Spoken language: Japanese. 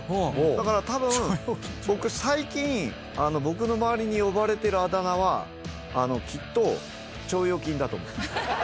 だからたぶん僕最近僕の周りに呼ばれてるあだ名はきっと腸腰筋だと思います。